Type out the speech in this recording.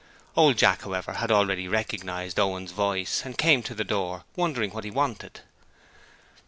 Old Jack, however, had already recognized Owen's voice, and came to the door, wondering what he wanted.